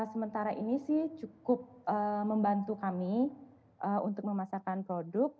sementara ini sih cukup membantu kami untuk memasarkan produk